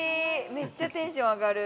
めっちゃテンション上がる。